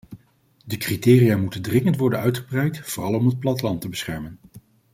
De criteria moeten dringend worden uitgebreid, vooral om het platteland te beschermen.